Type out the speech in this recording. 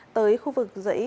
tới khu vực giấy